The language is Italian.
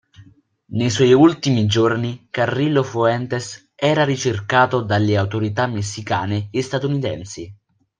Nei suoi ultimi giorni, Carrillo Fuentes era ricercato dalle autorità messicane e statunitensi.